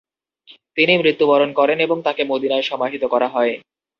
তিনি মৃত্যুবরণ করেন এবং তাকে মদীনায় সমাহিত করা হয়।